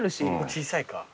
小さいか？